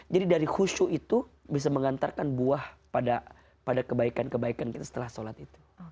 jadi dari khusyu itu bisa mengantarkan buah pada kebaikan kebaikan kita setelah sholat itu